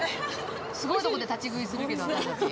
すごいとこで立ち食いするけど私たち。